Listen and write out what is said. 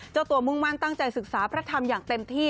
เจ้าตัวมุ่งมั่นตั้งใจศึกษาพระธรรมอย่างเต็มที่